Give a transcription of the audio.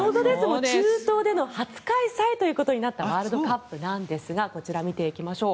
中東での初開催となったワールドカップなんですがこちらを見てみましょう。